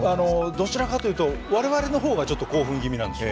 どちらかというと我々の方がちょっと興奮気味なんですよ。